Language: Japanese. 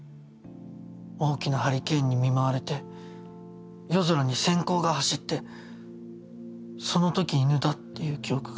大きなハリケーンに見舞われて夜空に閃光が走ってその時犬だっていう記憶が。